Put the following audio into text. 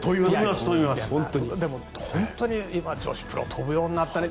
本当に女子プロ飛ぶようになったね。